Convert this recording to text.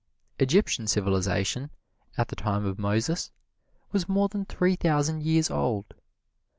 Egyptian civilization, at the time of Moses, was more than three thousand years old.